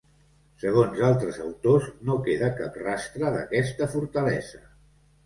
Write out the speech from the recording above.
Segons altres autors no queda cap rastre d'aquesta fortalesa.